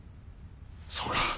そうか。